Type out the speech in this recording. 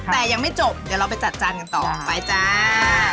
แต่ยังไม่จบเดี๋ยวเราไปจัดจานกันต่อไปจ้า